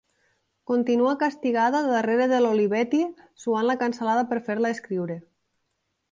Continua castigada darrere de l'Olivetti, suant la cansalada per fer-la escriure.